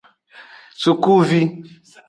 Sukuvi.